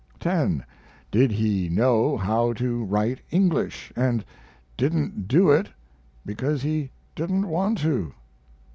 10. Did he know how to write English, & didn't do it because he didn't want to?